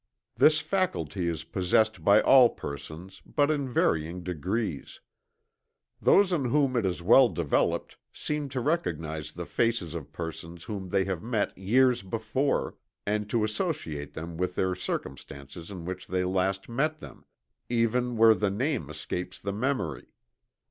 This faculty is possessed by all persons, but in varying degrees. Those in whom it is well developed seem to recognize the faces of persons whom they have met years before, and to associate them with the circumstances in which they last met them, even where the name escapes the memory.